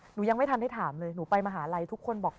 หนูยังไม่ทันได้ถามเลยหนูไปมหาลัยทุกคนบอก